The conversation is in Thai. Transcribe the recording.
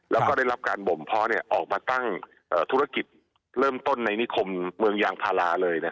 แล้วก็ได้รับการบ่มเพาะออกมาตั้งธุรกิจเริ่มต้นในนิคมเมืองยางพาราเลย